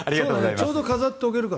ちょうど飾っておけるから。